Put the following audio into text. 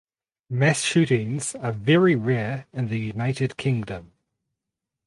Mass shootings are very rare in the United Kingdom.